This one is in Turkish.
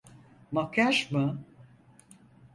Makyaj mı?